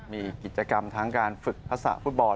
มีกิจกรรมทั้งการฝึกทักษะฟุตบอล